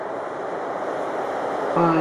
সে মাতাল, ভাই।